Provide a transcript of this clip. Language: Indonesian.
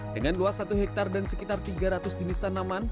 dengan luas satu hektare dan sekitar tiga ratus jenis tanaman